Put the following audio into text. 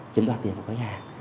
chiếm đoạt tiền của khách hàng